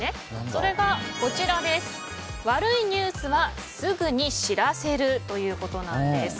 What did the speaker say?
それが、悪いニュースはすぐに知らせるということです。